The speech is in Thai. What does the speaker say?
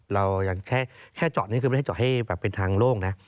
เราแค่จอดไม่ได้จอดให้เป็นทางโล่งนะ